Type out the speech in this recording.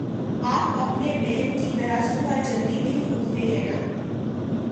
آپ اپنی بہن کی طرح صبح جلدی نہیں اٹھتے، ہے نا؟